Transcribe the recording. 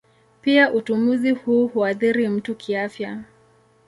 Pia utumizi huu huathiri mtu kiafya.